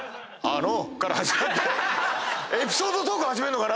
あの。